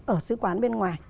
ở sứ quán bên ngoài